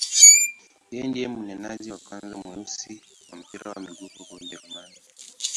Yeye ndiye meneja wa kwanza mweusi wa mpira wa miguu huko Ujerumani.